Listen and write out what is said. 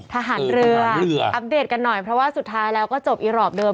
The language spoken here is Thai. ทหารเรืออัปเดตกันหน่อยเพราะว่าสุดท้ายแล้วก็จบอีรอปเดิม